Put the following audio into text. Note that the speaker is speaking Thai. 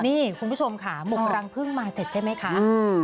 นี่คุณผู้ชมค่ะบุกรังพึ่งมาเสร็จใช่ไหมคะ